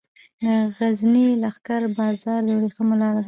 د غزني لښکر بازار د ورېښمو لارې و